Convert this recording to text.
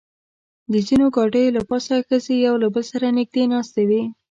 د ځینو ګاډیو له پاسه ښځې یو له بل سره نږدې ناستې وې.